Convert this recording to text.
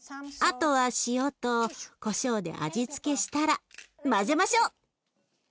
あとは塩とこしょうで味付けしたら混ぜましょう！